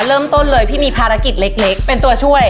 เริ่มต้นเลยพี่มีภารกิจเล็กเป็นตัวช่วย